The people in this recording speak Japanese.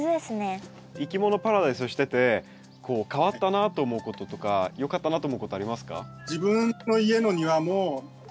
いきものパラダイスをしててこう変わったなと思うこととかよかったなと思うことありますか？